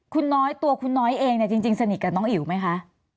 คุณน้อยตัวคุณน้อยเองเนี่ยจริงสนิทกับน้องอิ๋วไหมคะ